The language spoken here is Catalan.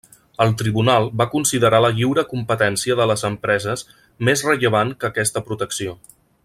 El tribunal va considerar la lliure competència de les empreses més rellevant que aquesta protecció.